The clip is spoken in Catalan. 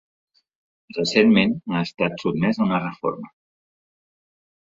Recentment ha estat sotmès a una reforma.